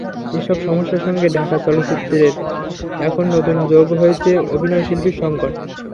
এসব সমস্যার সঙ্গে ঢাকার চলচ্চিত্রে এখন নতুন করে যোগ হয়েছে অভিনয়শিল্পীর সংকট।